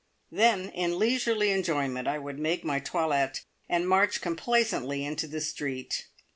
Then in leisurely enjoyment I would make my toilette and march complacently into the street.